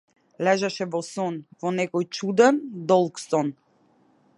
Лежеше во сон, во некој чуден, долг сон.